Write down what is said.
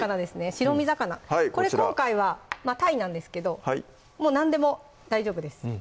白身魚これ今回はたいなんですけどもう何でも大丈夫です